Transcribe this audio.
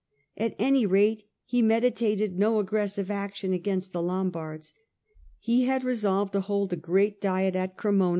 At any rate, he meditated no aggressive action against the Lombards. He had resolved to hold a great Diet at Cremona, as a HONORIVS IK, jR oman.